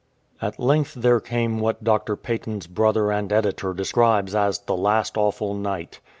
At length there came what Dr. Paton's brother and editor describes as " the last awful night."